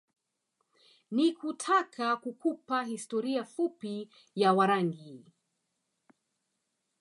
Ni kutaka kukupa historia fupi ya Warangi